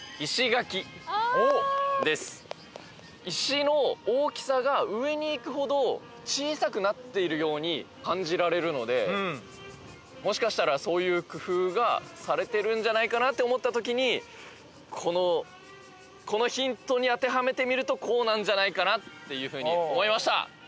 石の大きさが上に行くほど小さくなっているように感じられるのでもしかしたらそういう工夫がされてるんじゃないかなって思ったときにこのヒントに当てはめてみるとこうなんじゃないかなっていうふうに思いました。